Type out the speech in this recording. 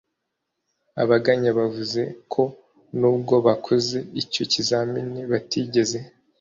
abaganga bavuze ko nubwo bakoze icyo kizamini batigeze